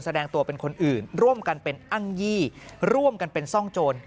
แสดงตัวเป็นคนอื่นร่วมกันเป็นอ้างยี่ร่วมกันเป็นซ่องโจร